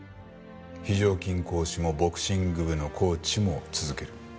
非常勤講師もボクシング部のコーチも続ける。